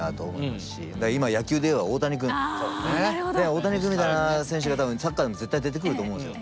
大谷くんみたいな選手が多分サッカーでも絶対出てくると思うんですよ。